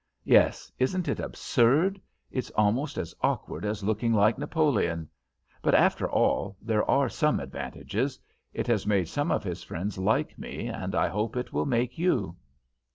"Yes, isn't it absurd? It's almost as awkward as looking like Napoleon But, after all, there are some advantages. It has made some of his friends like me, and I hope it will make you."